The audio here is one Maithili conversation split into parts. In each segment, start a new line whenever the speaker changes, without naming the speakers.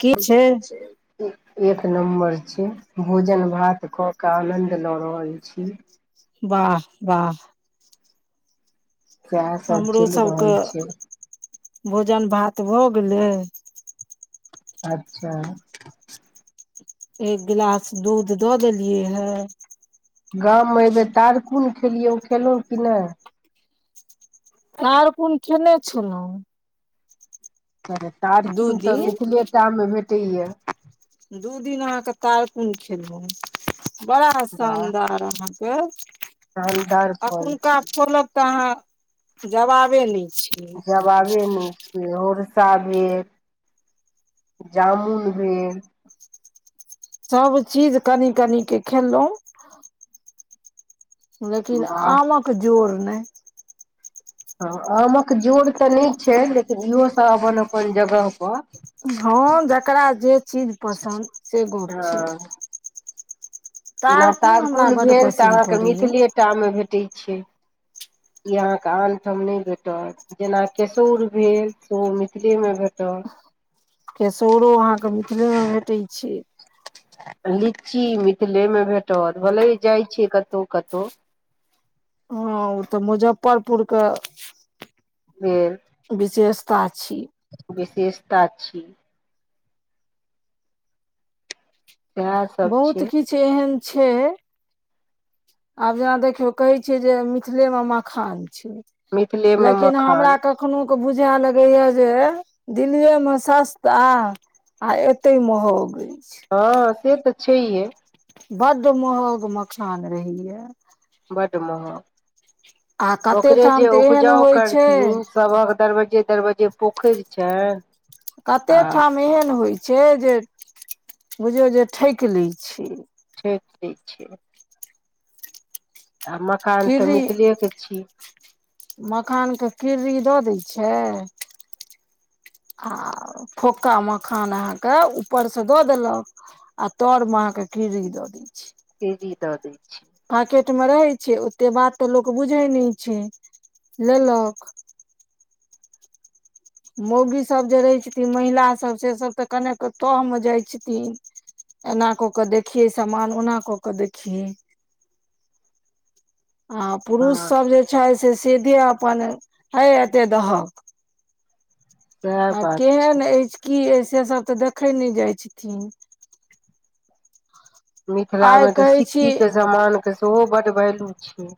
की छै
बुझहै छै। एक नम्बर छै भोजन भात कऽ के आनद रहल छी
बाह बाह
सएह सब
हमरो
चलि रहल छै
सभकेँ भोजन भात भऽ गेलै
अच्छा।
एक गिलास दूध दऽ देलियै हे
गाम मे अयबेर तारकुन खेलियै उ खेलौ की नै
तारकुन खेने छेलौं दू
तारकुन तऽ
दिन
मिथिलेटामे भेटैये
दू दिन आहाँ के तारकुन खेलौं बड़ा
वाह
शानदार आहाँ के
शानदार फल
अखुनका
छै
फोलक तऽ आहाँ जवाबे नय छै
जब वाबे नय छै हौरसा भेल जामुन भेल
सब चीज कनी- कनी के खेलौं लेकिन
वाह
आमक जोर नय
हँ आमक जोड़ तऽ नय छै लेकिन इहो सब अपन- अपन जगह पर
हँ जकरा जे चीज पसन्द से गप्प छै
हँ जेना
हमरा
तारकुन
बड्ड
भेल तऽ
पसिन
आहाँ के
पड़ैया
मिथिलेटामे भेटैत छै इ आहाँ के आन ठम नय भेटत जेना केसौर भेल सेहो मिथिले मे भेटल
केसौरो आहाँ के मिथिले मे भेटैत छै।
लीची मिथिले मे भेटत भले जाय छियै कतौ- कतौ
हूँ ओ तऽ मुजफ्फरपुर के
हूँ
विशेषता छी
विशेषता छी सएह सब
बहुत
छै
किछु एहन छै आब जेना देखियौ कहै छियै जे मिथिले मे मखान छै
मिथिलेमे
लेकिन हमरा
मखान
क कखनो कऽ बुझै लगेैय जे दिल्लीेये मे सस्ता आ एतेै महंग अछि
हँ से तऽ छै हे
बड्ड महंग मखान रहैये
बड्ड
आ
महग
कते
ओकरे
ठाम
जे
तऽ एहन
उपजाऊ
होइ छै
करथिहीन सबहक दरवज्जे दरवज्जे पोखरि छै
कते ठाम एहन होइ छै जे बुझियौ जे ठकि लै छै
ठकि लै छै आ मकान तऽ
कीड़ी
मिथिले के छी
मखानके किर्ड़ी दऽ दै छै आ फोक्का मखान अहाँके ऊपरसँ दऽ देलक आ तर मे अहाँ के कीरी द दय छै
कीरी दऽ दै छै
पैकेट मे रहै छै ओते बात तऽ लोक बुझैत नहि छै लेलक मौगी सभ जे रहै छथिन महिला सभ से सभ तऽ कने तह मे जाइ छथिन एना कऽ कऽ देखियै सामान ओना कऽ कऽ देखियै [inaudible] आ
हँ
पुरुषसभ जे छै से सीधे अपन हय एते दहक
सएह
आ
बात छै
केहन अछि की अछि से सब तऽ देखय नय जाइ छथिन
मिथिला मे
आइ
तऽ
कहै छी
सिक्की के समान के सेहो बड्ड भैलू छै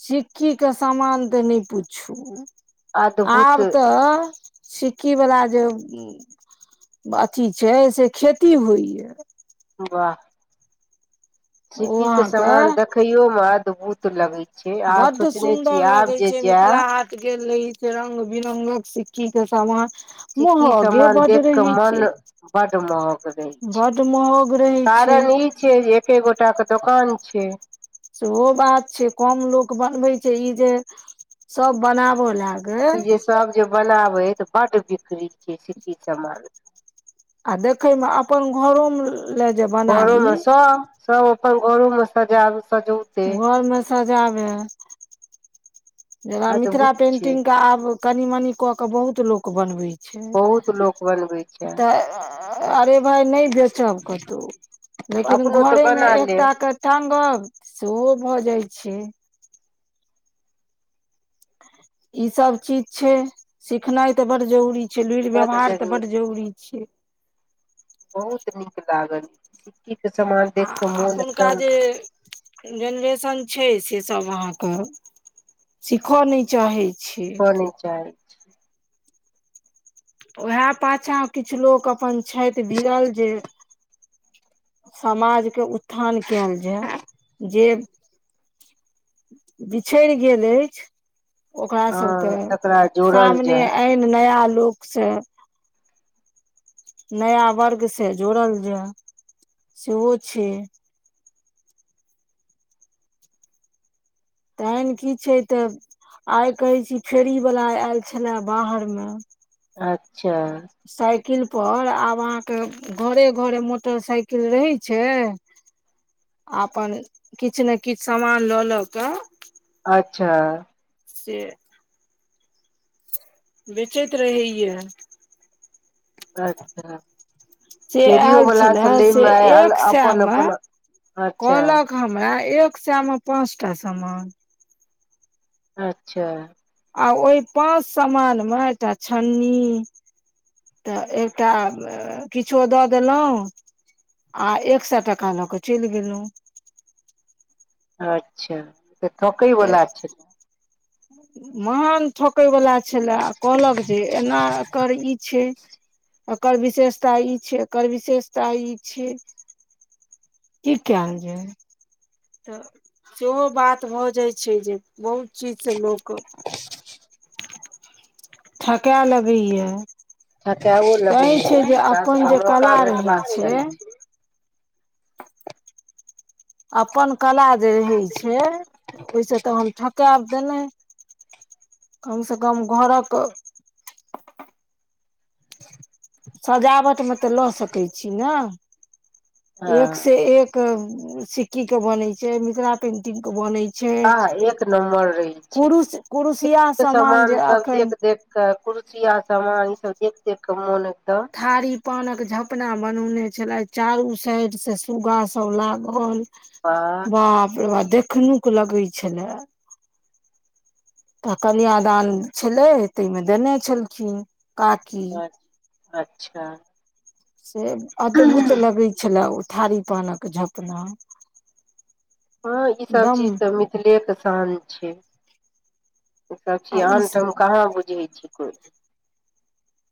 सिक्की के समान तऽ नय पुछू
अद्भुत
आब तऽ सिक्की वला जे अथी छै से खेती होइए
वाह
ओ
सिक्कीके
अहाँके
समान देखैयो मे अद्भुत लगैत छै छै आब
बड्ड
सोचने
सुन्दर
छी आब
लगै
जे
छै मिथिला
जैब
हाट गेल रहियै से रंग बिरंगक सिक्कीके समान
सिक्की सामान देख कऽ मन बड्ड महंग रहै छै
बड्ड महग रहै छै
कारण ई छियै जे एके गोटा के दोकान छै
सेहो बात छै कम लोक बनबे छै ई जे सब बनाबो लाग
ई जे सब जे बनाबै हइ तऽ बड्ड बिक्री के छै सिक्की समान
आ देखैमे अपन घरोमे लए जबा
घरो मे सब सब अपन घरो मे सजाब सजौते
घरमे सजाबै जेना मिथिला
अद्भुत छै
पेंटिंग के आब कनी मनी कऽ के बहुत लो बनवे छै
बहुत लोक बनबै छै
तऽ अरे भाय नय बेचब कतौ लेकिन
अपनो तऽ
घरेमे
बना लेब
एकटा के टांगब सेहो भऽ जाइ छै ई सब चीज छै सिखनाइ ते बड्ड जरूरी छै लुरि व्यवहार तऽ बड्ड जरूरी छै
बहुत नीक लागल सिक्की के समान
आ
देख कऽ मोन
एखुनका
एकदम
जे जेनरेशन छै से सब अहाँके सीखऽ नय चाहै छी
नय चाहै छै
उएह पाछाँ किछु लोक अपन छथि भिड़ल जे समाज के उत्थान कैल जाय जे बिछड़ गेल अछि ओकरा
हँ
सबके
तकरा जोड़ल
सामने
जाय
आनी। नया लोक से। नया वर्ग से जोड़ल जाय सेहो छै। तेहन की छै तऽ आइ कहै छी फेरी वला आयल छले बाहर मे।
अच्छा।
साईकिल पर आब अहाँके घरे घरे मोटर साईकिल रहे छै। आ अपन किछु ने किछु सामान लऽ लऽ कऽ
अच्छा
से बेचैत रहैये
अच्छा
से
फेरियो
आयल छले
बलाम
से एक सए
अपन
मे
अपन अच्छा
कहलक हमरा एक सैमे पाँचटा समान
अच्छा।
आ ओहि पाँच सामान मे एकटा छन्नी। तऽ एकटा किछो दऽ देलहुँ। आ एक सए टका लऽ क चलि गेलौं
अच्छा तऽ ठकै
तऽ
बला छेलै।
महान ठोकै वला छलए आ कहलक जे एना एकर ई छै। एकर विशेषता इ छै एकर विशेषता इ छै। की कैलजैाय तऽ सेहो बात भऽ जाइ छै जे बहुत चीज से लोक। ठके लगैये।
ठकैयो लेगैये हुनका
अपन
सबके
जे
मौका
कला रहै
भेटबाक
छै
चाही।
अपन कला जे रहै छै ओहिसे तऽ हम ठकैब। तऽनै कम से कम घर क।
[inaudible]
सजावट मे तऽ लऽ सकै छी ने
हँ
एक से एक। के सिक्की के बनै छै मिथिला पेंटिंग के बनै छै।
आह एक नम्बर रहै छै
कुरुश कुरुशिया
ऐतक
सामान जे
समान सब
अखन
देख देख। कुर्सियां सामान इ सब देख देख कऽ मोन एकदम।
थारी पानक झपना बनौने छलै चारू साइड से सुगा सब लागल।
वाह
बाप रे बा देखनुक लगै छलै। तऽ कन्यादान छलै ताहिमे देने छलखिन काकी।
अच्छा।
से अदभूत लगै छले ओ थारी पानक झपना।
हाँ ई सभ
दम
चीज तऽ मिथिले के शान छै। ई सब
आ
चीज
ई
आनठम कहाँ बुझै छै कोई।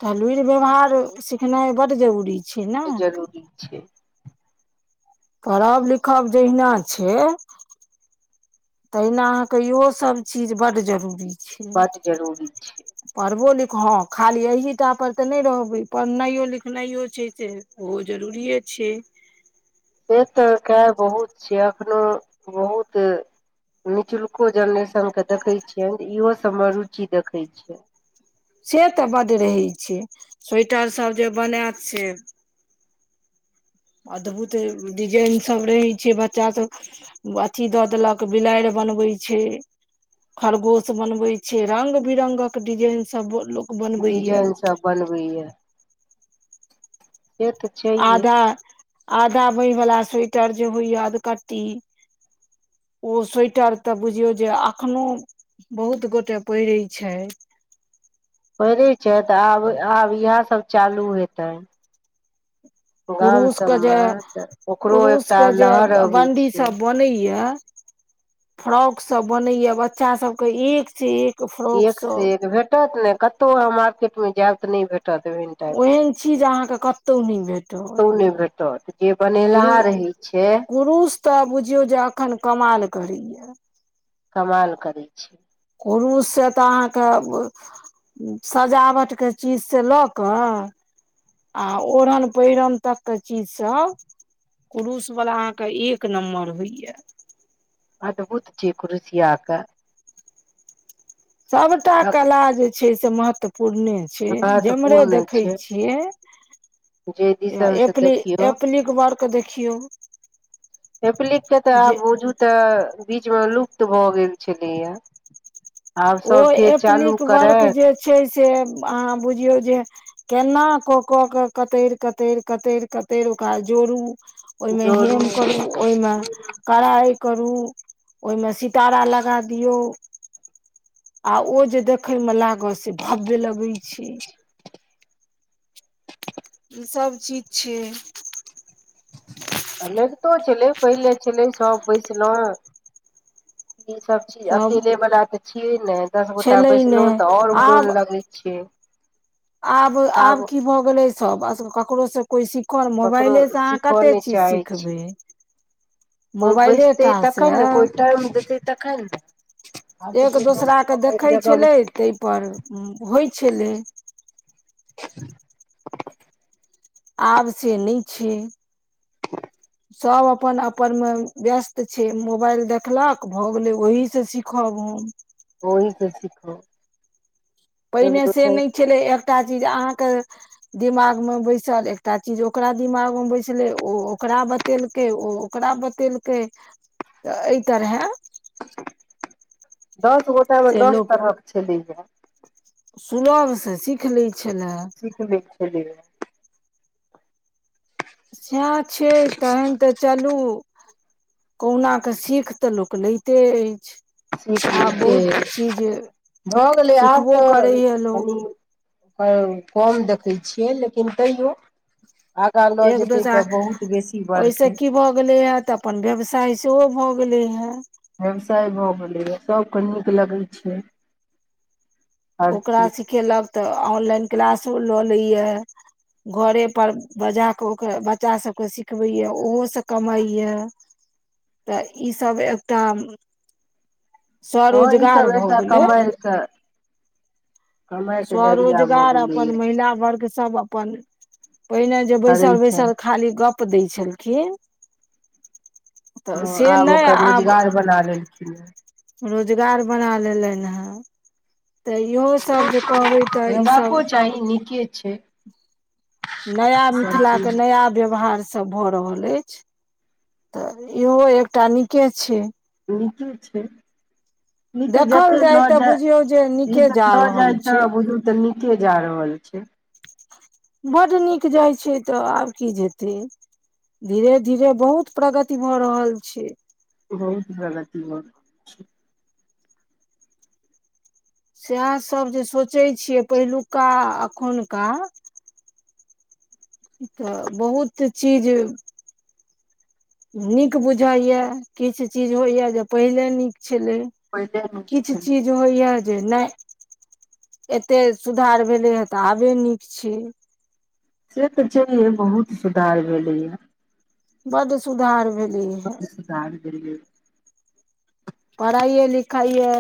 तऽ लुइर व्यवहार सिखनाइ बड्ड जरूरी छै। ने
जरूरी छै।
पढ़ब लिखब जहिना छै। तहिना अहाँके इहो सब चीज बड़ जरूरी। छै
बड्ड जरूरी छै।
पढ़बो लिख हाँ खाली अहिटा पर तऽ नय रहबै पढ़नाइयो लिखनाइयो छै से। ओहो जरूरीये छै।
से तऽ खैर बहुत छै अखनो बहुत। निचुल्को जेनरेशन के देखैत छियनि तऽ इहो सबमे रुचि देखैत छियनि।
से तऽ बड्ड रहै छै स्वेटर सब जे बनैत से। अदभूत डिजाइन सब रहै छै बच्चा सब। अथी दऽ देलक बिलारि बनबै छै। खरगोश बनबै छै रंग बिरंगक डिजाइन सब लोक। बनबैया
डिजाइन सभ बनबैए
आधा आधा बाहि वला स्वेटर जे होइया अदकट्टी ओ सोइटर तऽ बुझियौ जे अखनो बहुत गोटे पहिरै छै
परै छैथ तऽ आब आब इहे सब चालू हेतैन
कुरूस के जे
सबमे तऽ ओकरो
कुरूस
एकटा
के जे
लहर अबै
बण्डी
छै
सब बनैये। फ्रॉक सब बनैये बच्चा सबके एक से एक। फ्रॉक
एक
सब
से एक भेटत ने कतहु अहाँ मार्केट मे जायब तऽ नय भेटत ऐहन।
ओहेन चीज अहाँके कतौ नय भेटत।
कतौ भेटत जे।
कुरु
बनेलहा रहै छै
कुरुस तऽ बुझियौ जे एखन कमाल करैयै।
कमाल करै छै।
कुरुश से तऽ अहाँके सजावटके चीज से लऽ कऽ आ ओढ़न पहिरन तक के चीज सब कुरुस वला अहाँके एक नम्बर होइए
अद्भुत छियै कुरुसिया के
सबटा कला जे छै से महत्वपूर्णे छै जेम्हरे
महत्वपूर्ण
देखै
छै
छी यै
जे दिसन से
एप्लि
देखियौ
एप्लिक बरतन तऽ देखियौ
एप्लिक के तऽ आब
जे
बुझू तऽ बीच मे लुप्त भऽ गेल छलैया आब
ओ
सब फेर चालू
एप्लिक वर्क
करैत
जे छै से अहाँ बुझियौ जे केना कऽ कऽ कऽ कतरि कतरि कतरि कतरि ओकरा जोड़ू ओयमे
जोड़ू
हेम करु ओयमे कढाइ करू ओयमे सितारा लगा दियौ। आ ओ जे देखय मे लागत से भव्य लगै छै सब चीज छै
आ लगितो छेलै पहिले छलै सभ बैसनो ई सब चीज अकेले वाला तऽ छियै नय दस गोटा
छलै
बैसलौं
नहि
तऽ आओर मोन
आब
लगै। छै।
आब आब की भऽ गेलै सब ककरो से कोइ सिखल
ककरो
मोबाइलेसँ अहाँ
सिखऽ
कते
नहि
चीज
चाहै
सिखबै
छियै कोइ बैसतै
मोबाइलेटा से
तखन ने कोइ टाइम देतै तखन आब तऽ
एक
कोइ दस
दोसरा के
मिनट एक
देखै
जगह
छलै तहि पर होइ छलै आब से नय छै। सभ अपन अपनमे व्यस्त छै मोबाइल देखलक भऽ गेलै ओहि से सीखब हम
ओहिसे सिखब
पहिने से नय छेलै एकटा चीज अहाँके दिमागमे बैसल एकटा चीज ओकरा दिमागमे बैसले ओ ओकरा बच् बतेलकै ओ ओकरा बतेलकै तऽ एहि तरहें
दस गोटा मे
से
दस तरहक छेलैये
सुलभसँ सीख लै छलए
सीख लैत छेलैये
सएह छै तहन तऽ चलू कहुना कऽ सीख तऽ लोक लैते अछि। आ बहुत चीज
भऽ गेलै आब
सिखबो
तऽ
करैए लोक
कनी। हँ कम देखै छियै लेकिन तैयो। आगाँ लऽ
एक
जेतै
दोसरा
तऽ बहुत बेसी
ओहिसँ
बढ़तै।
की भऽ गेलैये तऽ अपन व्यवसाय सेहो भऽ गेलै हेँ
व्यवसाय भऽ गेलैए सब कऽ नीक लगै छै। हर
ओकरा
चीज
सिखेलक तऽ ऑनलाइन क्लासो लऽ लैए घरे पर बजा कऽ ओकर बच्चा सबके सिखबै ये ओहो सऽ कमाइ ये। तऽ ईसभ एकटा। स्वरोजगार भऽ गेलै
अच्छा जरिया भऽ
स्वरोजगार अपन
गेलैए
महिला वर्ग सब अप अपन पहिने जे
करै
बैसल
छै
बैसल खाली गप्प दै छलखिन तऽ
हँ
से
आब
नय
ओकर
आब
रोजगार बना लेलखिन हें
रोजगार बना लेलनि हें तऽ इहो सब जे कहबै तऽ ईसभ
[unintelligible] नीके छैय
नया मिथिला केऽ नया व्यवहार स सब भऽ रहल अछि तऽ इहो एकटा नीके छैय
नीके छैय इतऽ
देखल
जते
जाय
लऽ
तऽ बुझियौ जे
जाइ
नीके
इतऽ
जा
लऽ
रहल
जाइ
छै
तऽ बुझू तऽ नीके जा रहल छैय
बड नीक जाइ छैय तऽ आब की जेतै धीरे -धीरे बहुत प्रगति भऽ रहल छैय
बहुत प्रगति भ
से आहाँ सब जे सोचै छियै पहिलुका एखुनका तऽ बहुत चीज नीक बुझाय या किछ चीज होइया जे पहिले नीक छलै
पहिले नीक
किछ
छलै
चीज जे होइ या जे नै एते सुधार भेलै हें तऽ आबे नीक छैय
से तऽ छैेहे बहुत सुधार भेलै या
बड सुधार भेल
बड सुधार भेलै
पढ़ाइए लिखाइए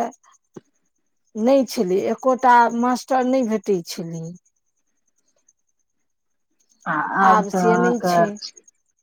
नै छेलै एकोटा मास्टर नै भेटै छलै
आ आब तऽ
से नहि छै
अहाँक